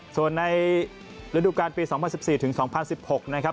ส่วนในฤดูการปี๒๐๑๔ถึง๒๐๑๖นะครับ